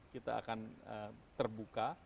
kita akan terbuka